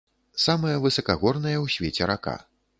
Самая высакагорная ў свеце рака.